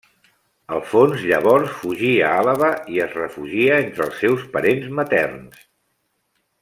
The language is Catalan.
Alfons llavors fugí a Àlaba i es refugià entre els seus parents materns.